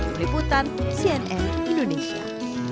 beriputan cnn indonesia